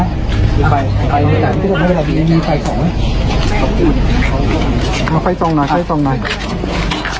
ไฟสองน่ะไฟสองน่ะ